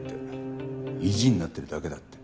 意地になってるだけだって。